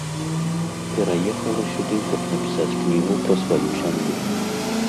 Пераехала сюды, каб напісаць кнігу пра сваю сям'ю.